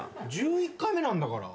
１１回目なんだから。